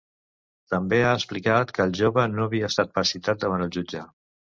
També ha explicat que el jove no havia estat pas citat davant el jutge.